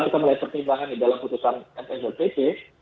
dari pertimbangan di dalam keputusan ketensial ketis